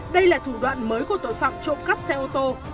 đây là thủ đoạn mới của tội phạm trộm cắp xe ô tô